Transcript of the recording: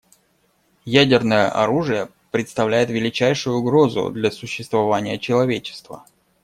Ядерное оружие представляет величайшую угрозу для существования человечества.